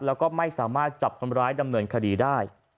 แล้วก็ไม่สามารถจับคนร้ายดำเนินคดีได้